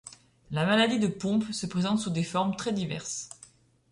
La maladie de Pompe se présente sous des formes très diverses.